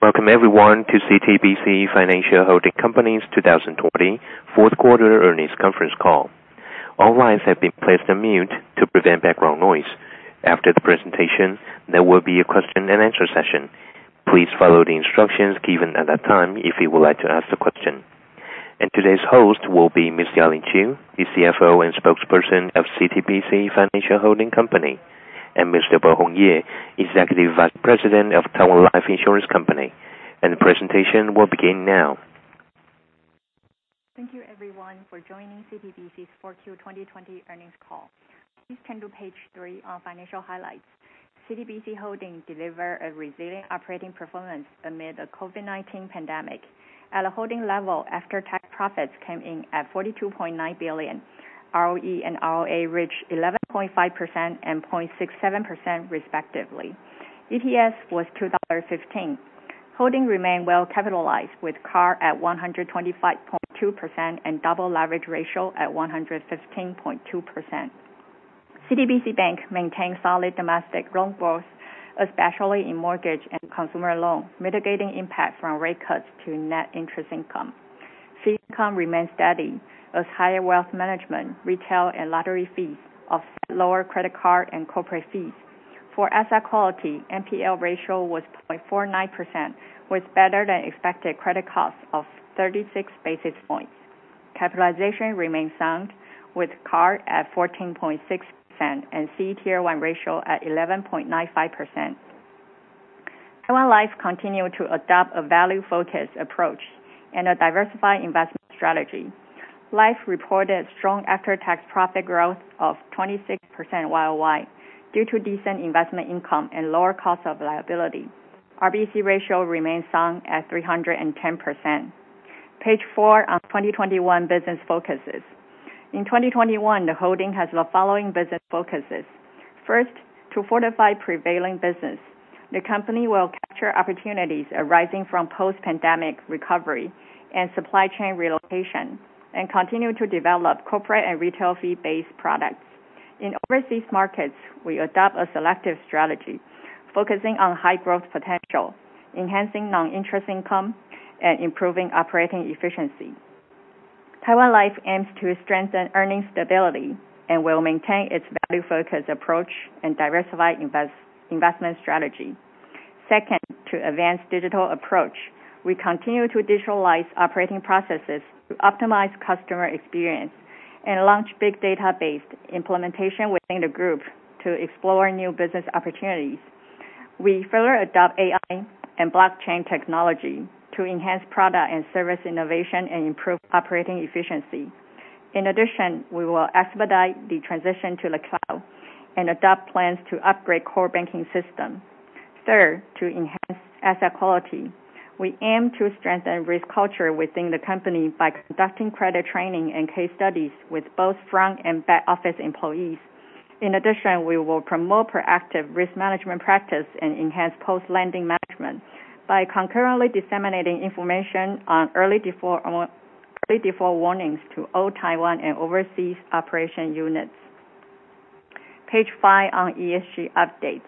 Welcome everyone to CTBC Financial Holding Company's 2020 fourth quarter earnings conference call. All lines have been placed on mute to prevent background noise. After the presentation, there will be a question and answer session. Please follow the instructions given at that time if you would like to ask a question. Today's host will be Ms. Ya-Ling Chiu, the CFO and Spokesperson of CTBC Financial Holding Company, and Mr. Bohong Ye, Executive Vice President of Taiwan Life Insurance Company. The presentation will begin now. Thank you everyone for joining CTBC's 4Q 2020 earnings call. Please turn to page three on financial highlights. CTBC Holding deliver a resilient operating performance amid the COVID-19 pandemic. At a holding level, after-tax profits came in at 42.9 billion. ROE and ROA reached 11.5% and 0.67% respectively. EPS was 2.15 dollar. Holding remain well capitalized with CAR at 125.2% and double leverage ratio at 115.2%. CTBC Bank maintain solid domestic loan growth, especially in mortgage and consumer loan, mitigating impact from rate cuts to net interest income. Fee income remains steady as higher wealth management, retail, and lottery fees offset lower credit card and corporate fees. For asset quality, NPL ratio was 0.49%, with better-than-expected credit costs of 36 basis points. Capitalization remains sound, with CAR at 14.6% and CET1 ratio at 11.95%. Taiwan Life continue to adopt a value-focused approach and a diversified investment strategy. Life reported strong after-tax profit growth of 26% YOY due to decent investment income and lower cost of liability. RBC ratio remains sound at 310%. Page four on 2021 business focuses. In 2021, the holding has the following business focuses. First, to fortify prevailing business. The company will capture opportunities arising from post-pandemic recovery and supply chain relocation, and continue to develop corporate and retail fee-based products. In overseas markets, we adopt a selective strategy focusing on high growth potential, enhancing non-interest income, and improving operating efficiency. Taiwan Life aims to strengthen earnings stability and will maintain its value-focused approach and diversified investment strategy. Second, to advance digital approach. We continue to digitalize operating processes to optimize customer experience and launch big data-based implementation within the group to explore new business opportunities. We further adopt AI and blockchain technology to enhance product and service innovation and improve operating efficiency. In addition, we will expedite the transition to the cloud and adopt plans to upgrade core banking system. Third, to enhance asset quality. We aim to strengthen risk culture within the company by conducting credit training and case studies with both front and back office employees. In addition, we will promote proactive risk management practice and enhance post-lending management by concurrently disseminating information on early default warnings to all Taiwan and overseas operation units. Page five on ESG updates.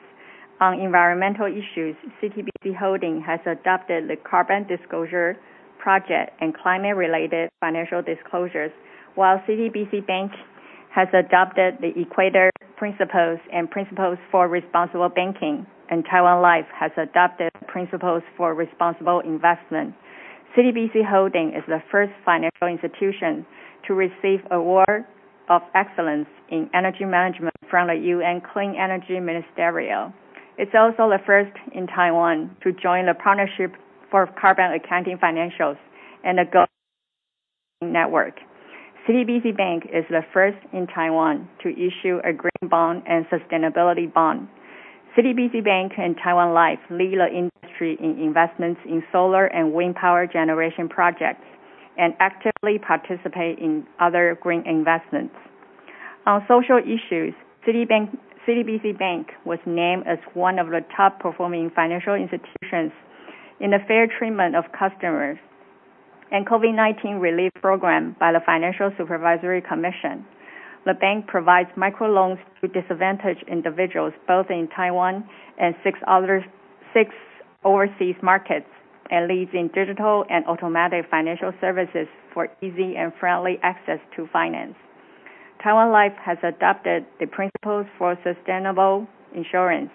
On environmental issues, CTBC Holding has adopted the Carbon Disclosure Project and climate-related financial disclosures, while CTBC Bank has adopted the Equator Principles and Principles for Responsible Banking, and Taiwan Life has adopted Principles for Responsible Investment. CTBC Holding is the first financial institution to receive Award of Excellence in Energy Management from the UN Clean Energy Ministerial. It's also the first in Taiwan to join the Partnership for Carbon Accounting Financials and the network. CTBC Bank is the first in Taiwan to issue a green bond and sustainability bond. CTBC Bank and Taiwan Life lead the industry in investments in solar and wind power generation projects, and actively participate in other green investments. On social issues, CTBC Bank was named as one of the top performing financial institutions in the fair treatment of customers and COVID-19 relief program by the Financial Supervisory Commission. The bank provides micro loans to disadvantaged individuals both in Taiwan and six overseas markets, and leads in digital and automatic financial services for easy and friendly access to finance. Taiwan Life has adopted the Principles for Sustainable Insurance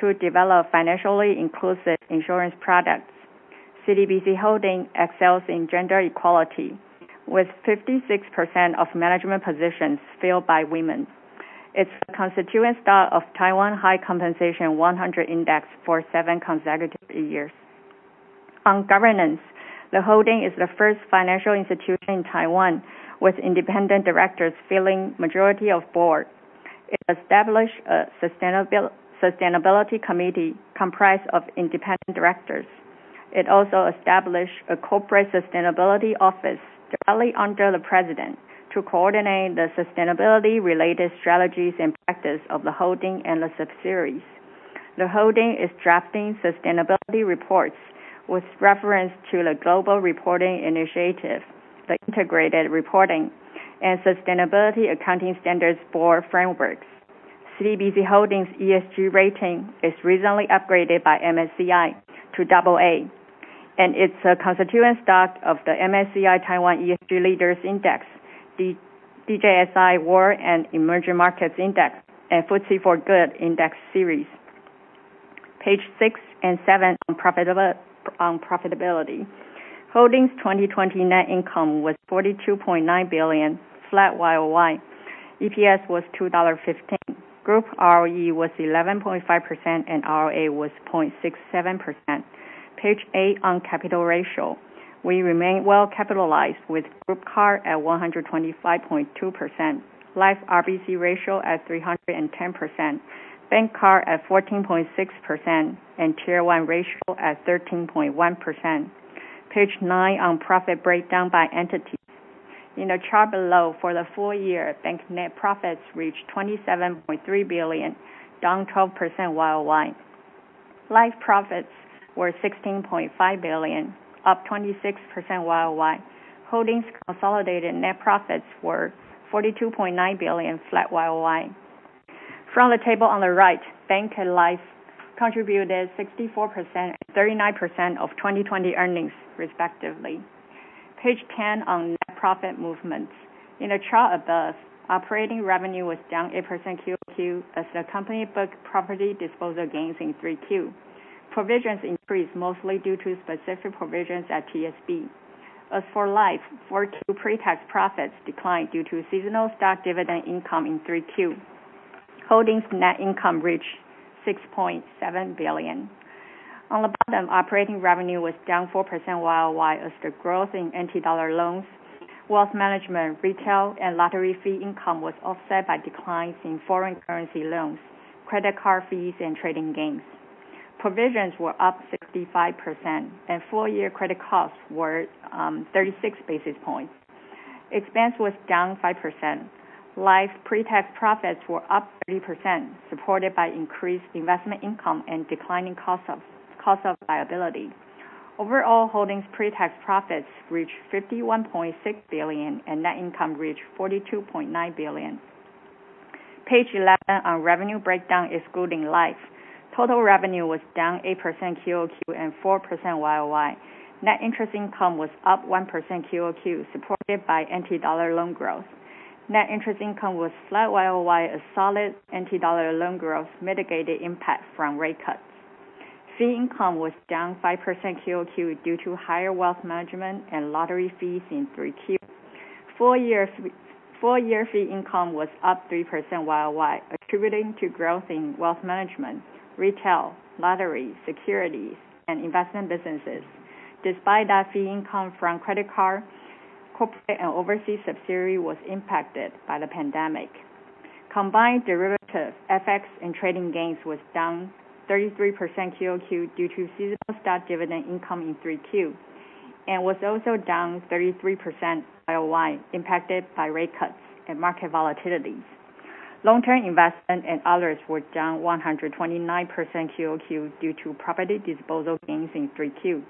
to develop financially inclusive insurance products. CTBC Financial Holding excels in gender equality, with 56% of management positions filled by women. It's a constituent stock of Taiwan High Compensation 100 Index for seven consecutive years. On governance, the holding is the first financial institution in Taiwan with independent directors filling majority of board. It established a sustainability committee comprised of independent directors. It also established a corporate sustainability office directly under the president to coordinate the sustainability related strategies and practice of the holding and the subsidiaries. The holding is drafting sustainability reports with reference to the Global Reporting Initiative, the Integrated Reporting, and Sustainability Accounting Standards Board frameworks. CTBC Financial Holdings ESG rating is recently upgraded by MSCI to double A, and it's a constituent stock of the MSCI Taiwan ESG Leaders Index, DJSI World and Emerging Markets Index, and FTSE4Good Index Series. Page 6 and 7 on profitability. Holdings 2020 net income was 42.9 billion, flat YOY. EPS was 2.15 dollar. Group ROE was 11.5%, and ROA was 0.67%. Page 8 on capital ratio. We remain well capitalized with group CAR at 125.2%, Life RBC ratio at 310%, bank CAR at 14.6%, and Tier 1 ratio at 13.1%. Page 9 on profit breakdown by entity. In the chart below, for the full year, bank net profits reached 27.3 billion, down 12% YOY. Life profits were 16.5 billion, up 26% YOY. Holdings consolidated net profits were 42.9 billion flat YOY. From the table on the right, bank and Life contributed 64% and 39% of 2020 earnings respectively. Page 10 on net profit movements. In the chart above, operating revenue was down 8% QOQ as the company booked property disposal gains in Q3. Provisions increased mostly due to specific provisions at TSB. As for Life, Q4 pre-tax profits declined due to seasonal stock dividend income in Q3. Holdings net income reached 6.7 billion. On the bottom, operating revenue was down 4% YOY as the growth in NT dollar loans, wealth management, retail, and lottery fee income was offset by declines in foreign currency loans, credit card fees, and trading gains. Provisions were up 65%, and full-year credit costs were 36 basis points. Expense was down 5%. Life pre-tax profits were up 30%, supported by increased investment income and declining cost of liability. Overall Holdings pre-tax profits reached 51.6 billion, and net income reached 42.9 billion. Page 11 on revenue breakdown excluding Life. Total revenue was down 8% QOQ and 4% YOY. Net interest income was up 1% QOQ, supported by NT dollar loan growth. Net interest income was flat YOY as solid NT dollar loan growth mitigated impact from rate cuts. Fee income was down 5% QOQ due to higher wealth management and lottery fees in Q3. Full year fee income was up 3% YOY, attributing to growth in wealth management, retail, lottery, securities, and investment businesses. Despite that fee income from credit card, corporate and overseas subsidiary was impacted by the pandemic. Combined derivative FX and trading gains was down 33% QOQ due to seasonal stock dividend income in Q3, and was also down 33% YOY impacted by rate cuts and market volatility. Long-term investment and others were down 129% QOQ due to property disposal gains in Q3,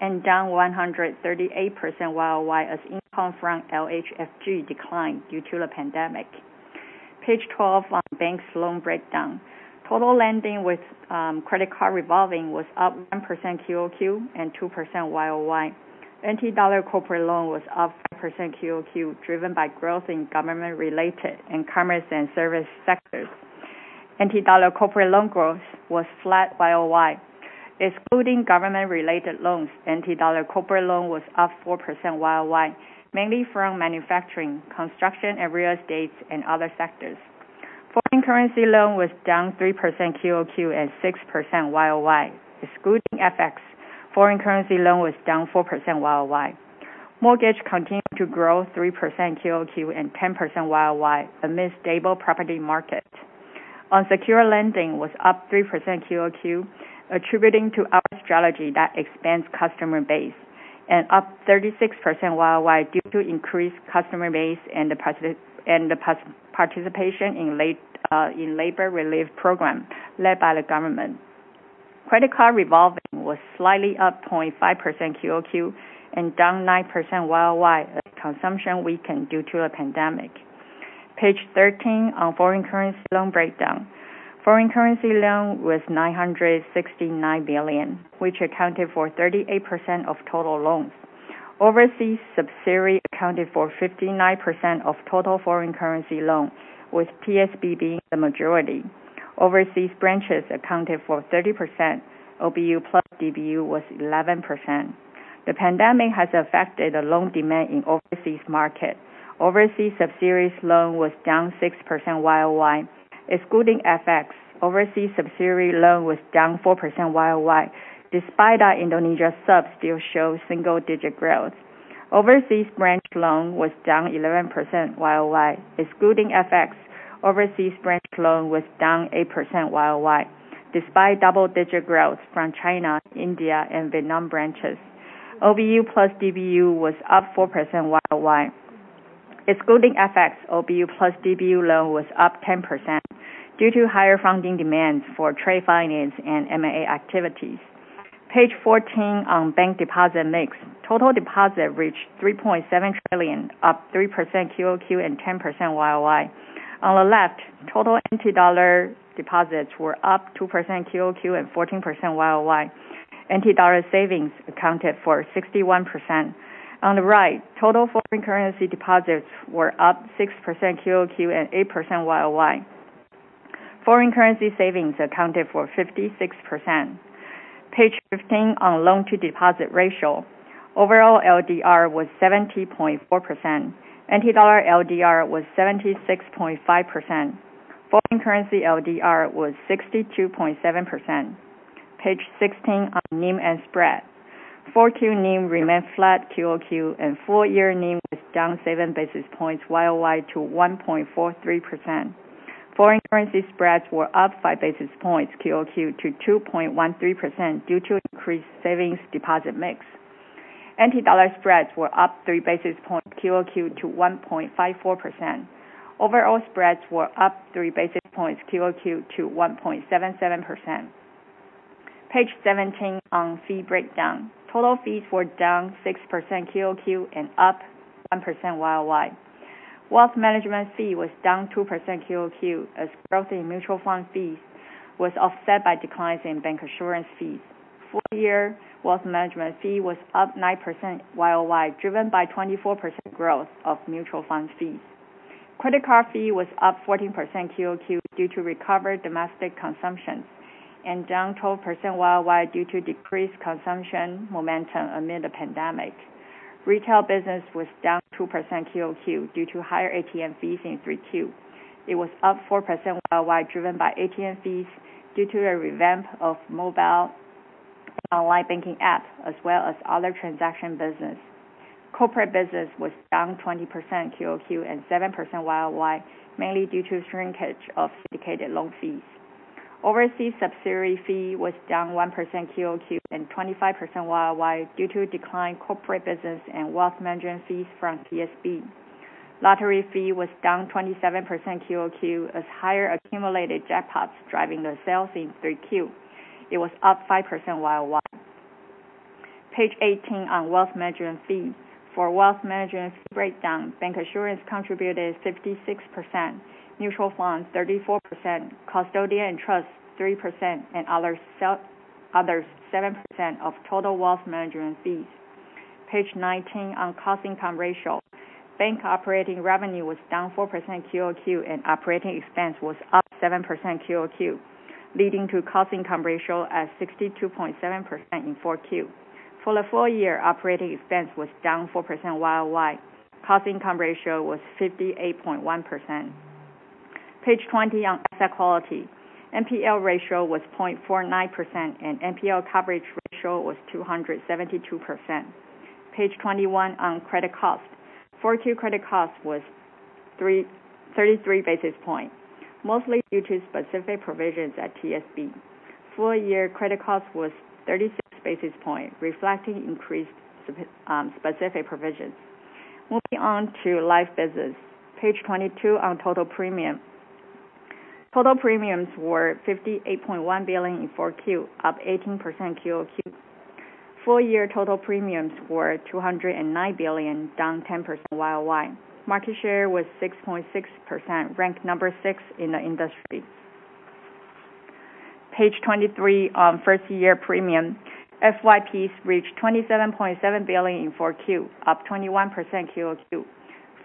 and down 138% YOY as income from LHFG declined due to the pandemic. Page 12 on bank's loan breakdown. Total lending with credit card revolving was up 1% QOQ and 2% YOY. NT dollar corporate loan was up 5% QOQ, driven by growth in government-related and commerce and service sectors. NT dollar corporate loan growth was flat YOY. Excluding government-related loans, NT dollar corporate loan was up 4% YOY, mainly from manufacturing, construction, and real estates and other sectors. Foreign currency loan was down 3% QOQ and 6% YOY. Excluding FX, foreign currency loan was down 4% YOY. Mortgage continued to grow 3% QOQ and 10% YOY amidst stable property market. Unsecured lending was up 3% QOQ, attributing to our strategy that expands customer base, and up 36% YOY due to increased customer base and the participation in labor relief program led by the government. Credit card revolving was slightly up 0.5% QOQ and down 9% YOY as consumption weakened due to the pandemic. Page 13 on foreign currency loan breakdown. Foreign currency loan was $969 billion, which accounted for 38% of total loans. Overseas subsidiaries accounted for 59% of total foreign currency loans, with Tokyo Star Bank being the majority. Overseas branches accounted for 30%. OBU plus DBU was 11%. The pandemic has affected the loan demand in overseas market. Overseas subsidiaries loan was down 6% YOY. Excluding FX, overseas subsidiary loan was down 4% YOY, despite that Indonesia subs still show single digit growth. Overseas branch loan was down 11% YOY. Excluding FX, overseas branch loan was down 8% YOY, despite double-digit growth from China, India, and Vietnam branches. OBU plus DBU was up 4% YOY. Excluding FX, OBU plus DBU loan was up 10% due to higher funding demands for trade finance and M&A activities. Page 14 on bank deposit mix. Total deposit reached 3.7 trillion, up 3% QOQ and 10% YOY. On the left, total NT dollar deposits were up 2% QOQ and 14% YOY. NT dollar savings accounted for 61%. On the right, total foreign currency deposits were up 6% QOQ and 8% YOY. Foreign currency savings accounted for 56%. Page 15 on loan-to-deposit ratio. Overall LDR was 70.4%. NT dollar LDR was 76.5%. Foreign currency LDR was 62.7%. Page 16 on NIM and spread. 4Q NIM remained flat QOQ, and full year NIM was down seven basis points YOY to 1.43%. Foreign currency spreads were up five basis points QOQ to 2.13% due to increased savings deposit mix. NT dollar spreads were up three basis points QOQ to 1.54%. Overall spreads were up three basis points QOQ to 1.77%. Page 17 on fee breakdown. Total fees were down 6% QOQ and up 1% YOY. Wealth management fee was down 2% QOQ as growth in mutual fund fees was offset by declines in bank assurance fees. Full year wealth management fee was up 9% YOY, driven by 24% growth of mutual fund fees. Credit card fee was up 14% QOQ due to recovered domestic consumption and down 12% YOY due to decreased consumption momentum amid the pandemic. Retail business was down 2% QOQ due to higher ATM fees in Q3. It was up 4% YOY, driven by ATM fees due to the revamp of mobile and online banking apps, as well as other transaction business. Corporate business was down 20% QOQ and 7% YOY, mainly due to shrinkage of syndicated loan fees. Overseas subsidiary fee was down 1% QOQ and 25% YOY due to a decline in corporate business and wealth management fees from TSB. Lottery fee was down 27% QOQ as higher accumulated jackpots driving the sales in Q3. It was up 5% YOY. Page 18 on wealth management fee. For wealth management fee breakdown, bank assurance contributed 56%, mutual funds 34%, custodian and trust 3%, and others 7% of total wealth management fees. Page 19 on cost income ratio. Bank operating revenue was down 4% QOQ, and operating expense was up 7% QOQ, leading to cost income ratio at 62.7% in Q4. For the full year, operating expense was down 4% YOY. Cost income ratio was 58.1%. Page 20 on asset quality. NPL ratio was 0.49%, and NPL coverage ratio was 272%. Page 21 on credit cost. Q4 credit cost was 33 basis points, mostly due to specific provisions at TSB. Full year credit cost was 36 basis points, reflecting increased specific provisions. Moving on to life business. Page 22 on total premium. Total premiums were 58.1 billion in Q4, up 18% QOQ. Full year total premiums were 209 billion, down 10% YOY. Market share was 6.6%, ranked number six in the industry. Page 23 on first year premium. FYPs reached 27.7 billion in Q4, up 21% QOQ.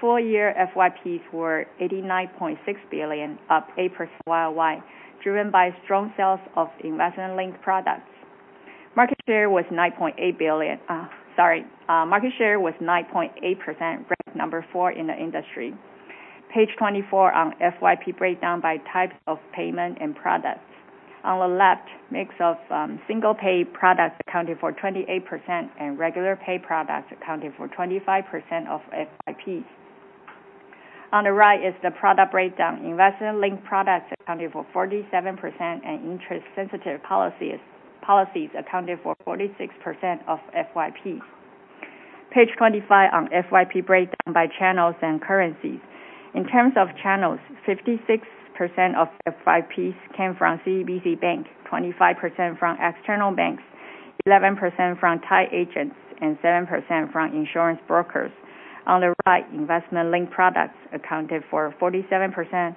Full year FYPs were 89.6 billion, up 8% YOY, driven by strong sales of investment-linked products. Market share was 9.8%. Ranked number four in the industry. Page 24 on FYP breakdown by types of payment and products. On the left, mix of single-pay products accounted for 28%, and regular pay products accounted for 25% of FYPs. On the right is the product breakdown. Investment-linked products accounted for 47%, and interest-sensitive policies accounted for 46% of FYPs. Page 25 on FYP breakdown by channels and currencies. In terms of channels, 56% of FYPs came from CTBC Bank, 25% from external banks, 11% from tied agents, and 7% from insurance brokers. On the right, investment-linked products accounted for 47%,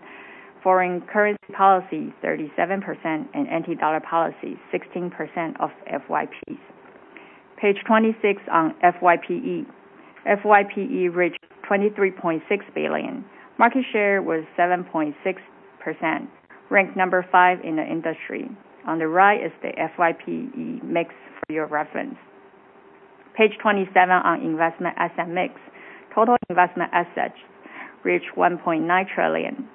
foreign currency policy 37%, and NT dollar policies 16% of FYPs. Page 26 on FYPE. FYPE reached 23.6 billion. Market share was 7.6%, ranked number five in the industry. On the right is the FYPE mix for your reference. Page 27 on investment asset mix. Total investment assets reached 1.9 trillion.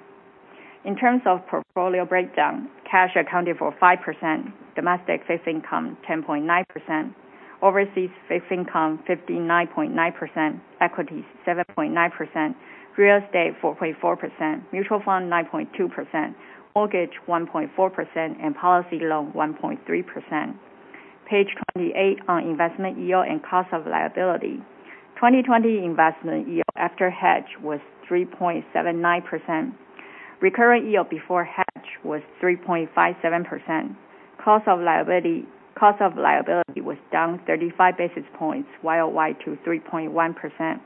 In terms of portfolio breakdown, cash accounted for 5%, domestic fixed income 10.9%, overseas fixed income 59.9%, equities 7.9%, real estate 4.4%, mutual funds 9.2%, mortgage 1.4%, and policy loan 1.3%. Page 28 on investment yield and cost of liability. 2020 investment yield after hedge was 3.79%. Recurring yield before hedge was 3.57%. Cost of liability was down 35 basis points YoY to 3.1%.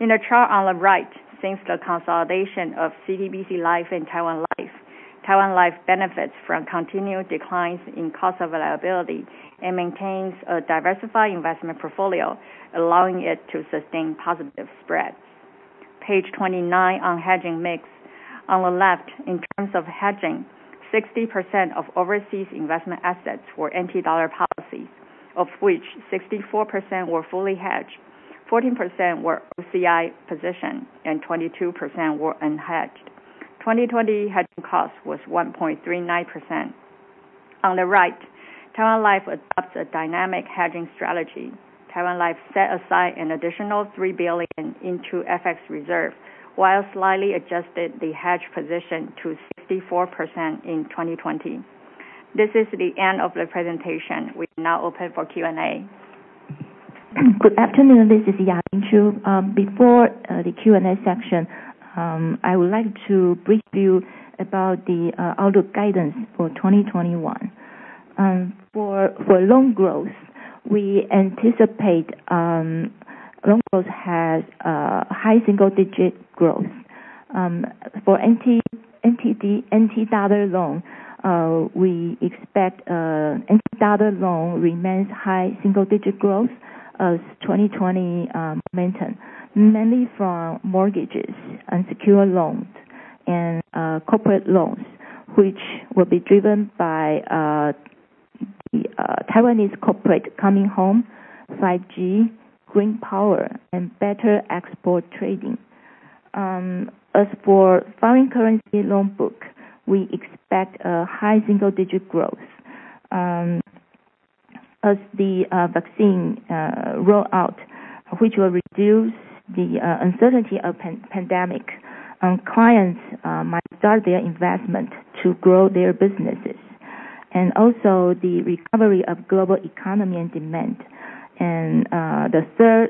In the chart on the right, since the consolidation of CTBC Life and Taiwan Life, Taiwan Life benefits from continued declines in cost of liability and maintains a diversified investment portfolio, allowing it to sustain positive spreads. Page 29, on hedging mix. On the left, in terms of hedging, 60% of overseas investment assets were NT dollar policy, of which 64% were fully hedged, 14% were OCI position, and 22% were unhedged. 2020 hedging cost was 1.39%. On the right, Taiwan Life adopts a dynamic hedging strategy. Taiwan Life set aside an additional 3 billion into FX reserve while slightly adjusted the hedge position to 64% in 2020. This is the end of the presentation. We are now open for Q&A. Good afternoon, this is Ya-Ling Chiu. Before the Q&A section, I would like to brief you about the outlook guidance for 2021. For loan growth, we anticipate loan growth has high single-digit growth. For NT dollar loan, we expect NT dollar loan remains high single-digit growth as 2020 momentum, mainly from mortgages, unsecured loans, and corporate loans, which will be driven by Taiwanese corporate coming home, 5G, green power, and better export trading. As for foreign currency loan book, we expect a high single-digit growth as the vaccine roll out, which will reduce the uncertainty of pandemic and clients might start their investment to grow their businesses, and also the recovery of global economy and demand. The third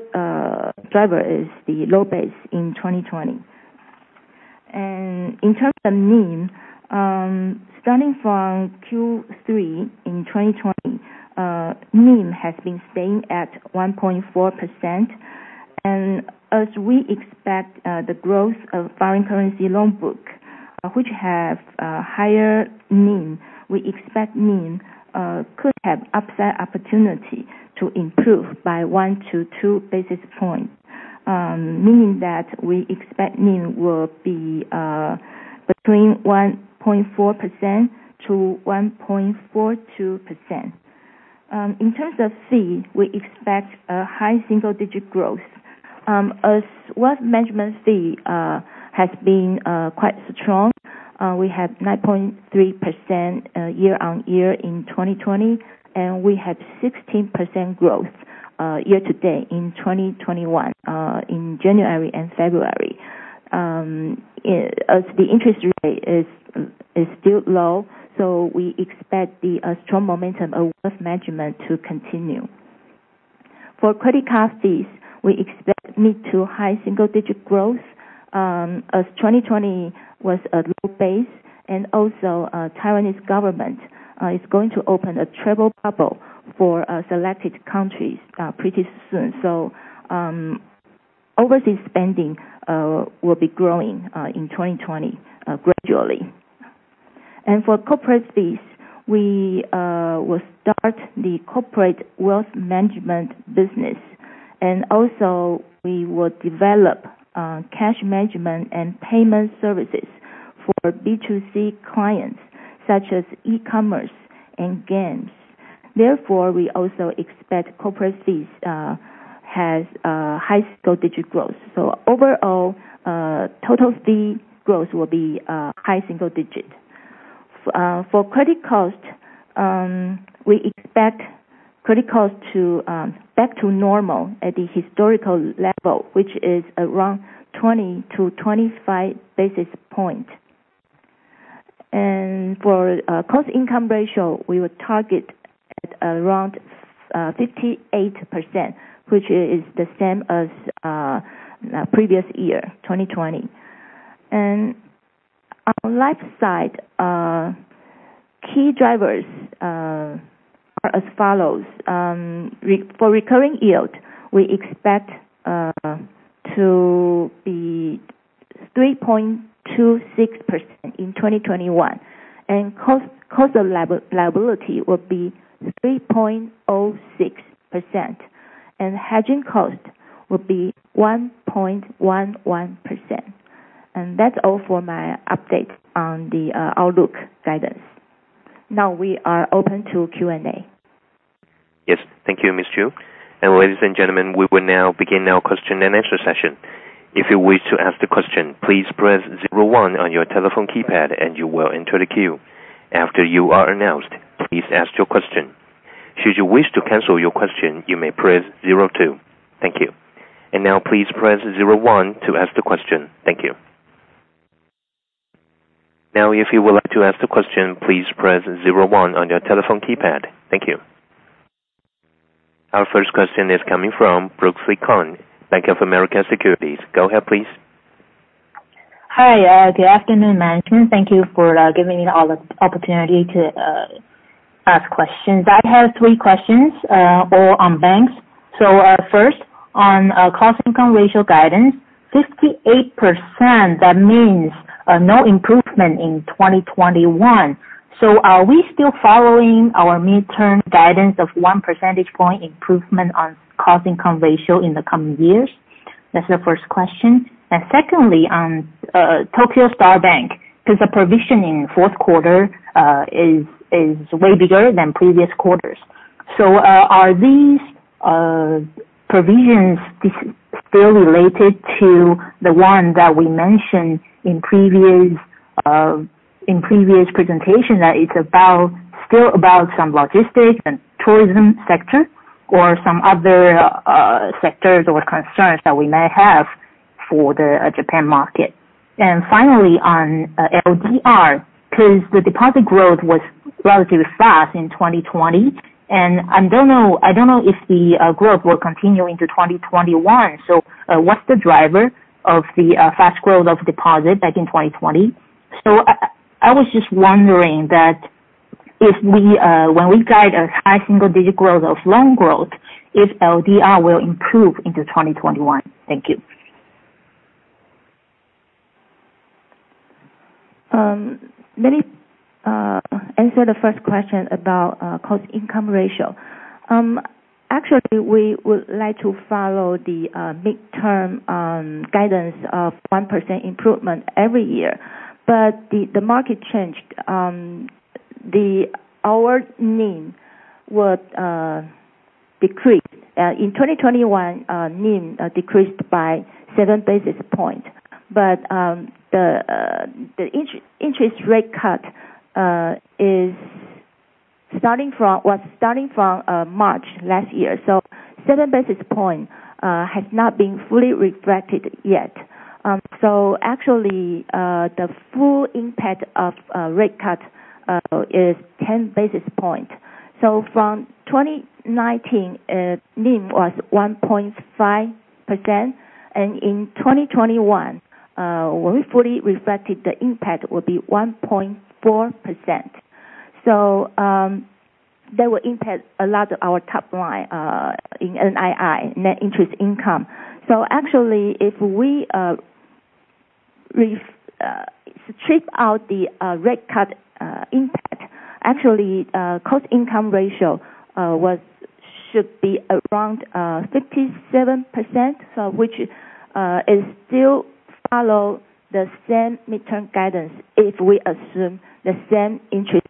driver is the low base in 2020. In terms of NIM, starting from Q3 in 2020, NIM has been staying at 1.4%. As we expect the growth of foreign currency loan book, which have a higher NIM, we expect NIM could have upside opportunity to improve by one to two basis points, meaning that we expect NIM will be between 1.4%-1.42%. In terms of fee, we expect a high single-digit growth. As wealth management fee has been quite strong, we had 9.3% YOY in 2020, and we had 16% growth year to date in 2021, in January and February. As the interest rate is still low, we expect the strong momentum of wealth management to continue. For credit card fees, we expect mid to high single-digit growth, as 2020 was a low base, and also Taiwanese government is going to open a travel bubble for selected countries pretty soon. So overseas spending will be growing in 2020 gradually. For corporate fees, we will start the corporate wealth management business, and also we will develop cash management and payment services for B2C clients such as e-commerce and games. Therefore, we also expect corporate fees has high single-digit growth. Overall, total fee growth will be high single digit. For credit cost, we expect credit cost back to normal at the historical level, which is around 20 to 25 basis points. For cost income ratio, we will target at around 58%, which is the same as previous year, 2020. On life side, key drivers are as follows. For recurring yield, we expect to be 3.26% in 2021, and cost of liability will be 3.06%, and hedging cost will be 1.11%. That is all for my update on the outlook guidance. Now we are open to Q&A. Yes. Thank you, Ms. Chiu. Ladies and gentlemen, we will now begin our question and answer session. If you wish to ask the question, please press 01 on your telephone keypad and you will enter the queue. After you are announced, please ask your question. Should you wish to cancel your question, you may press 02. Thank you. Now please press 01 to ask the question. Thank you. Now, if you would like to ask the question, please press 01 on your telephone keypad. Thank you. Our first question is coming from Brooks Lykon, Bank of America Securities. Go ahead, please. Hi. Good afternoon, management. Thank you for giving me the opportunity to ask questions. I have three questions, all on banks. First, on cost income ratio guidance, 58%, that means no improvement in 2021. Are we still following our mid-term guidance of one percentage point improvement on cost income ratio in the coming years? That's the first question. Secondly, on Tokyo Star Bank, because the provision in fourth quarter is way bigger than previous quarters. Are these provisions still related to the one that we mentioned in previous presentation, that it's still about some logistics and tourism sector, or some other sectors or concerns that we may have for the Japan market? Finally, on LDR, because the deposit growth was relatively fast in 2020, I don't know if the growth will continue into 2021. What's the driver of the fast growth of deposit back in 2020? I was just wondering that when we guide a high single-digit growth of loan growth, if LDR will improve into 2021. Thank you. Let me answer the first question about cost-income ratio. Actually, we would like to follow the mid-term guidance of 1% improvement every year. The market changed. Our NIM decreased. In 2021, NIM decreased by seven basis points. The interest rate cut was starting from March last year. Seven basis points has not been fully reflected yet. Actually, the full impact of rate cut is 10 basis points. From 2019, NIM was 1.5%, and in 2021, when we fully reflected, the impact will be 1.4%. That will impact a lot of our top line, in NII, net interest income. Actually, if we strip out the rate cut impact, actually, cost-income ratio should be around 57%, which still follows the same mid-term guidance if we assume the same interest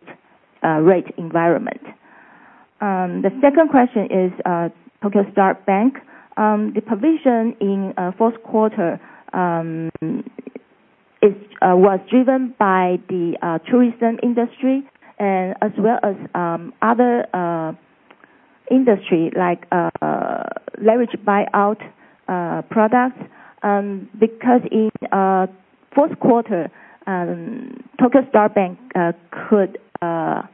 rate environment. The second question is Tokyo Star Bank. The provision in fourth quarter was driven by the tourism industry as well as other industry like leverage buyout products, because in fourth quarter, Tokyo Star Bank could have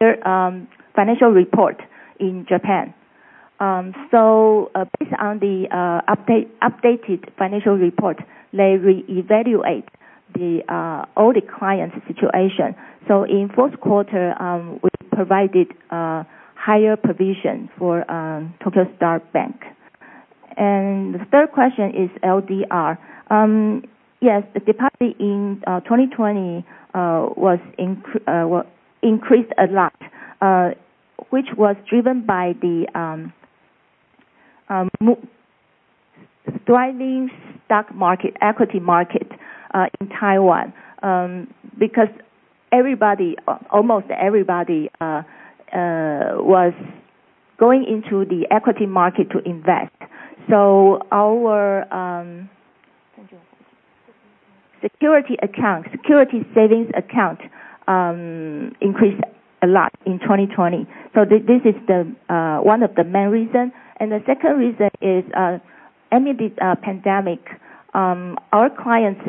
their financial report in Japan. Based on the updated financial report, they reevaluate all the clients' situation. In fourth quarter, we provided higher provision for Tokyo Star Bank. The third question is LDR. Yes, the deposit in 2020 increased a lot, which was driven by the thriving stock market, equity market in Taiwan because almost everybody was going into the equity market to invest. Our security savings account increased a lot in 2020. This is one of the main reasons. The second reason is amid the pandemic, our clients'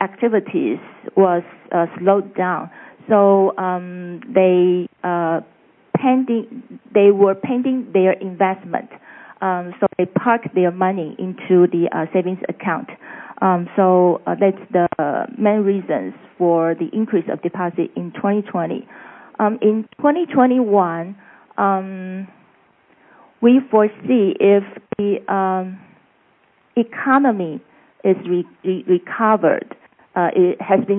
activities slowed down. They were pending their investment, so they parked their money into the savings account. That's the main reasons for the increase of deposit in 2020. In 2021, we foresee if the economy has been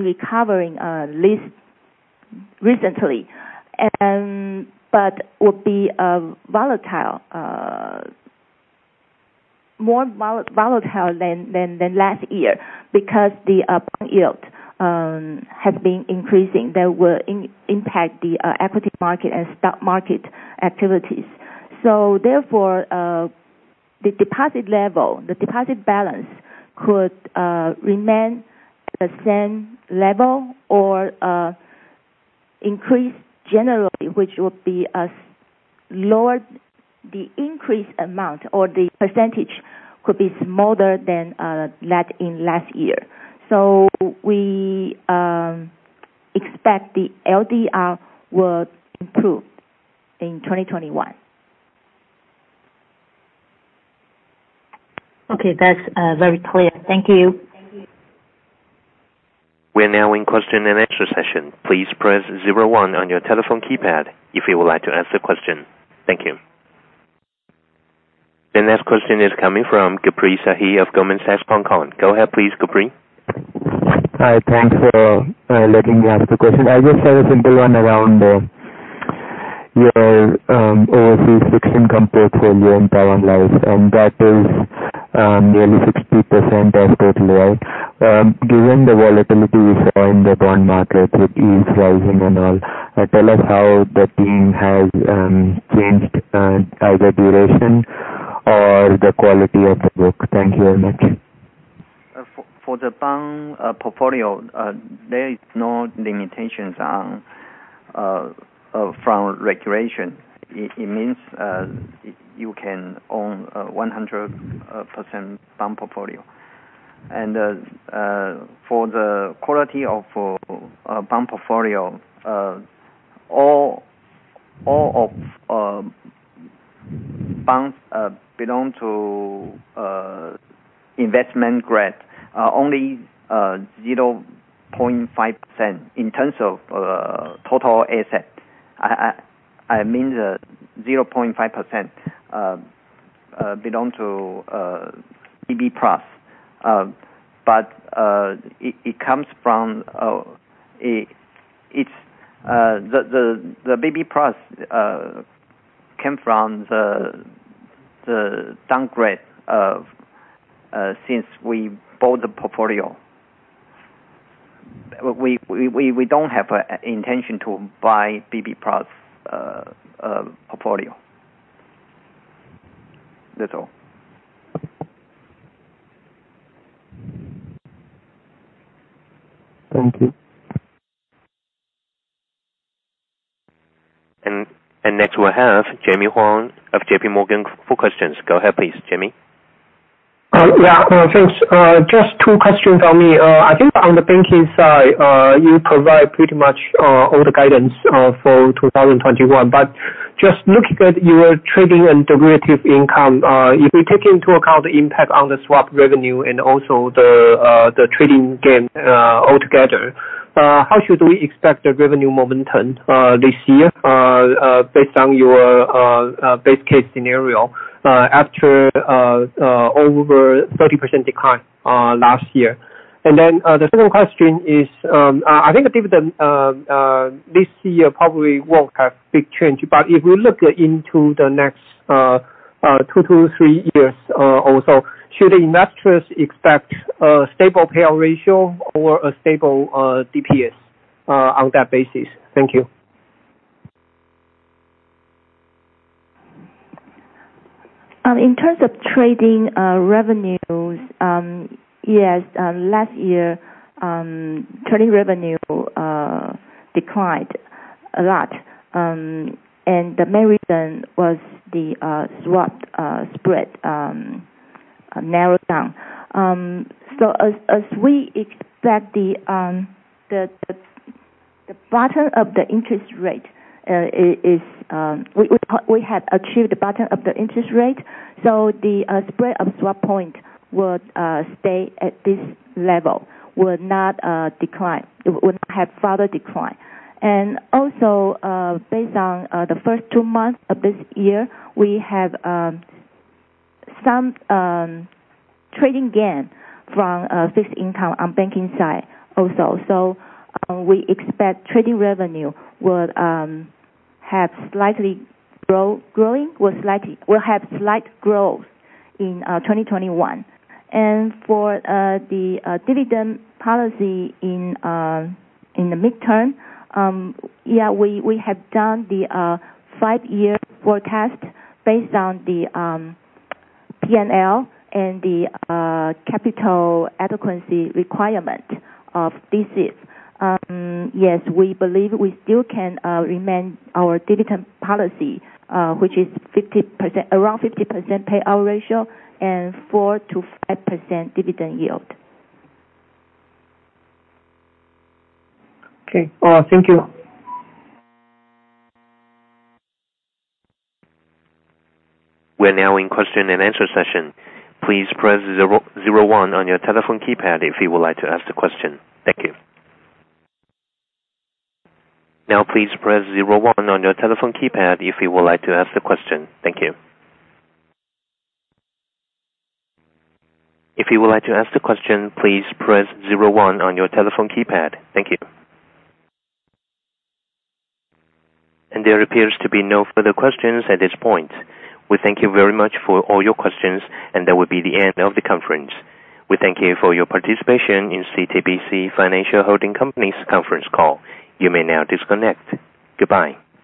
recovering recently, but will be more volatile than last year because the bond yield has been increasing. That will impact the equity market and stock market activities. Therefore, the deposit balance could remain at the same level or increase generally, which would be a slight lower the increased amount or the percentage could be smaller than that in last year. We expect the LDR will improve in 2021. Okay. That's very clear. Thank you. We're now in question and answer session. Please press zero one on your telephone keypad if you would like to ask a question. Thank you. The next question is coming from Gurpreet Sahi of Goldman Sachs. Go ahead, please, Capri. Hi. Thanks for letting me ask the question. I just have a simple one around your overseas fixed income portfolio and Taiwan Life. That is nearly 60% of total assets. Given the volatility we saw in the bond market with yields rising and all, tell us how the team has changed either duration or the quality of the book. Thank you very much. For the bond portfolio, there is no limitations from regulation. It means you can own 100% bond portfolio. For the quality of bond portfolio, all of bonds belong to investment grade are only 0.5% in terms of total asset. I mean the 0.5% belong to BB plus. The BB plus came from the downgrade of since we bought the portfolio. We don't have an intention to buy BB plus portfolio. That's all. Thank you. Next we have Jimmy Huang of J.P. Morgan for questions. Go ahead, please, Jimmy. Yeah. Thanks. Just two questions from me. I think on the banking side, you provide pretty much all the guidance for 2021. Just looking at your trading and derivative income, if we take into account the impact on the swap revenue and also the trading gain altogether, how should we expect the revenue momentum this year, based on your base case scenario, after over 30% decline last year? The second question is, I think the dividend this year probably won't have big change, but if we look into the next two to three years or so, should investors expect a stable payout ratio or a stable DPS on that basis? Thank you. In terms of trading revenues, yes, last year trading revenue declined a lot. The main reason was the swap spread narrowed down. We have achieved the bottom of the interest rate, so the spread of swap point will stay at this level, will not decline. It would not have further decline. Also, based on the first two months of this year, we have some trading gain from fixed income on banking side also. We expect trading revenue will have slight growth in 2021. For the dividend policy in the midterm, yeah, we have done the five-year forecast based on the P&L and the capital adequacy requirement of this year. Yes, we believe we still can remain our dividend policy, which is around 50% payout ratio and 4%-5% dividend yield. Okay. Thank you. We're now in question and answer session. Please press zero one on your telephone keypad if you would like to ask a question. Thank you. Now please press zero one on your telephone keypad if you would like to ask a question. Thank you. If you would like to ask a question, please press zero one on your telephone keypad. Thank you. There appears to be no further questions at this point. We thank you very much for all your questions, and that will be the end of the conference. We thank you for your participation in CTBC Financial Holding Company's conference call. You may now disconnect. Goodbye